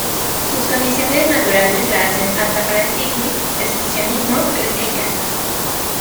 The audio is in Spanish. Sus condiciones naturales la hacen apta para picnic, excursionismo, pesca y caza.